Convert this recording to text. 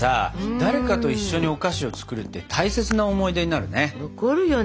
誰かと一緒にお菓子を作るって大切な思い出になるね！